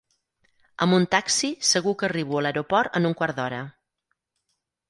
Amb un taxi segur que arribo a l'aeroport en un quart d'hora.